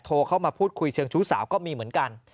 เข้ามาพูดคุยเชิงชู้สาวก็มีเหมือนกัน